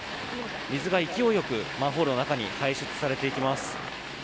水が勢いよくマンホールの中に排出されていきます。